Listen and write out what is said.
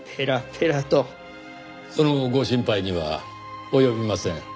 そのご心配には及びません。